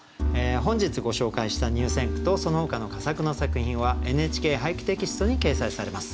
本日ご紹介した入選句とそのほかの佳作の作品は「ＮＨＫ俳句」テキストに掲載されます。